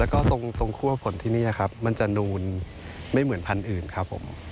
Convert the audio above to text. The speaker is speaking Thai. แล้วก็ตรงคั่วผลที่นี่ครับมันจะนูนไม่เหมือนพันธุ์อื่นครับผม